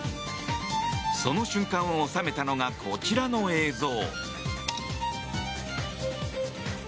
その瞬間を収めたのがこちらの映像。